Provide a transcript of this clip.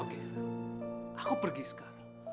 oke aku pergi sekarang